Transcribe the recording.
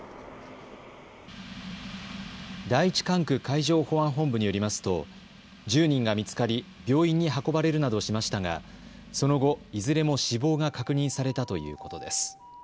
第１管区海上保安本部によりますと１０人が見つかり病院に運ばれるなどしましたがその後、いずれも死亡が確認されたということです。